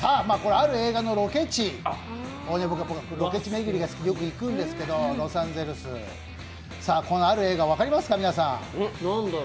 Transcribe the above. ある映画のロケ地ですが、ロケ地巡りが好きでよく行くんですけど、ロサンゼルス、このある映画分かりますか？